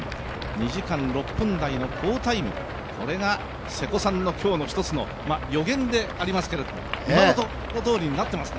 ２時間６分台の好タイム、これが瀬古さんの今日の１つの予言でありますけど、予言どおりになってますね。